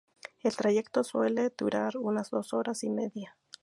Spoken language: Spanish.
El trayecto suele durar unas dos horas y media.